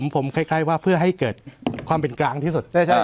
ผมคล้ายว่าเพื่อให้เกิดความเป็นกลางที่สุด